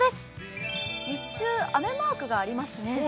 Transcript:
日中雨マークがありますね。